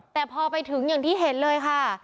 แต่พอไปถึงอย่างที่เห็นเลยค่ะ